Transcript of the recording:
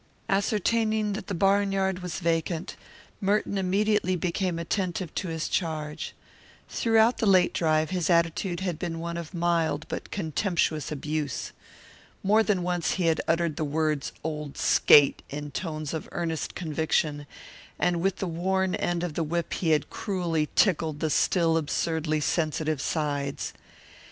Ascertaining that the barnyard was vacant, Merton immediately became attentive to his charge. Throughout the late drive his attitude had been one of mild but contemptuous abuse. More than once he had uttered the words "old skate" in tones of earnest conviction, and with the worn end of the whip he had cruelly tickled the still absurdly sensitive sides.